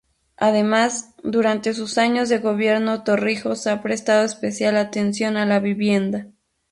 Además, durante sus años de gobierno Torrijos ha prestado especial atención a la vivienda.